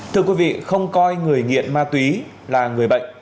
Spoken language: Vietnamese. thưa quý vị không coi người nghiện ma túy là người bệnh